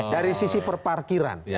dari sisi perparkiran